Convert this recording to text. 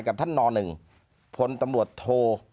กับท่านนหนึ่งพลตรวจโท